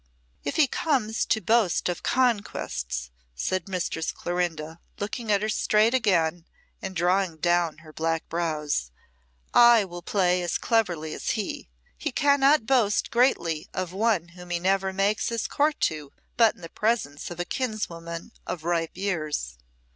"If he comes to boast of conquests," said Mistress Clorinda, looking at her straight again and drawing down her black brows, "I will play as cleverly as he. He cannot boast greatly of one whom he never makes his court to but in the presence of a kinswoman of ripe years.